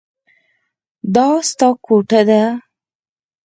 دا ستا کوټه ده.